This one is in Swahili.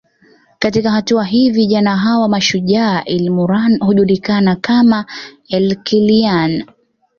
Katika hatua hii vijana hawa mashujaa ilmurran hujulikana kama Ilkiliyani